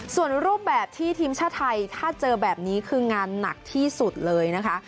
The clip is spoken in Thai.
ส่วนรูปแบบที่ทีมชาติไทยถ้าเจอแบบนี้คืองานหนักที่สุดเลยนะคะ